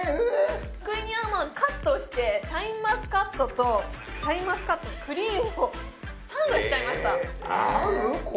クイニーアマンカットしてシャインマスカットとシャインマスカットのクリームをサンドしちゃいましたえ